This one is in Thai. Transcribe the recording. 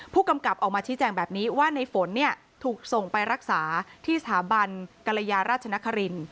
ผู้กำกับออกมาชี้แจงแบบนี้ว่าในฝนเนี่ยถูกส่งไปรักษาที่สถาบันกรยาราชนคริน